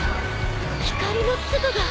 光の粒が。